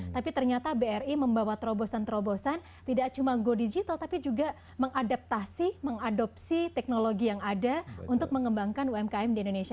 tapi ternyata bri membawa terobosan terobosan tidak cuma go digital tapi juga mengadaptasi mengadopsi teknologi yang ada untuk mengembangkan umkm di indonesia